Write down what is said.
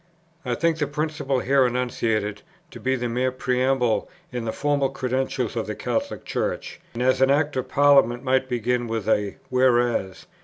I think the principle here enunciated to be the mere preamble in the formal credentials of the Catholic Church, as an Act of Parliament might begin with a "Whereas."